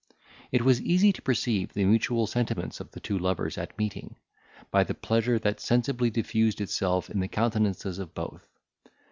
It was easy to perceive the mutual sentiments of the two lovers at meeting, by the pleasure that sensibly diffused itself in the countenances of both.